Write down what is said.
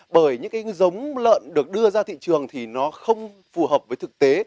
bởi những cái giống lợn được đưa ra thị trường thì nó không phù hợp với thực tế